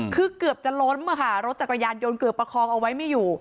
คือเกือบจะล้มค่ะรถจักรยานยนต์เกือบประคองเอาไว้ไม่อยู่